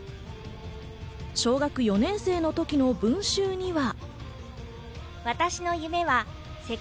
小学４年生の時の文集には。